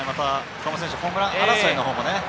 岡本選手、ホームラン王争いのほうもね。